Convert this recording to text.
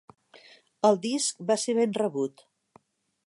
El disc va ser ben rebut.